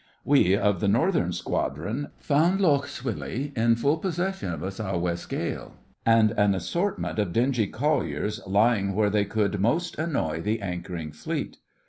We, of the Northern Squadron, found Lough Swilly in full possession of a Sou' west gale, and an assortment of dingy colliers lying where they could most annoy the anchoring Fleet.